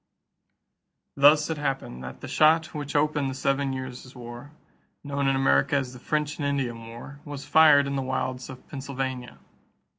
= Thus it happened that the shot which opened the Seven Years' War, known in America as the French and Indian War, was fired in the wilds of Pennsylvania.